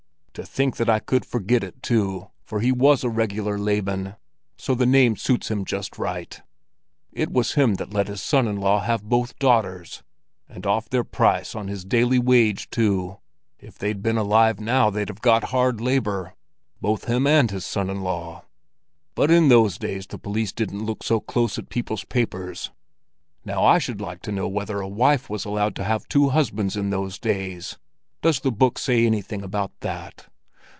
To think that I could forget it, too, for he was a regular Laban, so the name suits him just right. It was him that let his son in law have both his daughters, and off their price on his daily wage too! If they'd been alive now, they'd have got hard labor, both him and his son in law; but in those days the police didn't look so close at people's papers. Now I should like to know whether a wife was allowed to have two husbands in those days. Does the book say anything about that?"